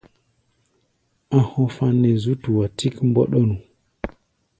A̧ hɔfá̧ nɛ zú tua tík mbɔ́ɗɔ́nu.